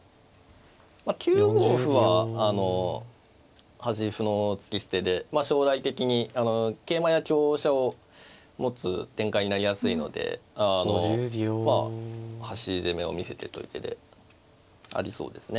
９五歩は端歩の突き捨てで将来的に桂馬や香車を持つ展開になりやすいのであのまあ端攻めを見せてという手でありそうですね。